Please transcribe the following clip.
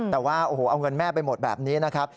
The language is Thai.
แต่ว่าโอ้โหเอาเงินแม่ไปหมดแบบนี้นะครับ